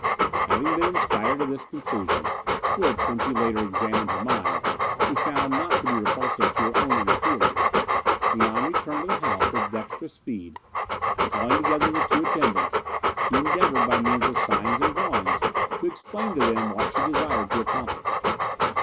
Having been inspired to this conclusion which, when she later examined her mind, she found not to be repulsive to her own inner feelings Mian returned to the house with dexterous speed, and calling together the two attendants, she endeavoured by means of signs and drawings to explain to them what she desired to accomplish.